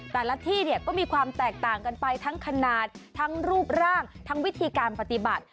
แต่ละที่เนี่ยก็มีความแตกต่างกันไปทั้งขนาดทั้งรูปร่างทั้งวิธีการปฏิบัติ